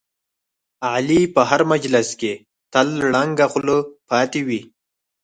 علي په هر مجلس کې تل ړنګه خوله پاتې وي.